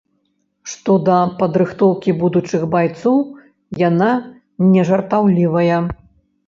Што да падрыхтоўкі будучых байцоў, яна нежартаўлівая.